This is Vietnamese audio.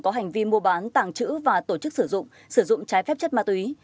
có hành vi mua bán tàng trữ và tổ chức sử dụng sử dụng trái phép chất ma túy